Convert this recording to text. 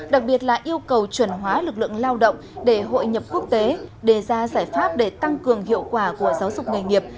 đặc biệt là yêu cầu chuẩn hóa lực lượng lao động để hội nhập quốc tế đề ra giải pháp để tăng cường hiệu quả của giáo dục nghề nghiệp